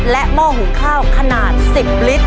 หม้อหุงข้าวขนาด๑๐ลิตร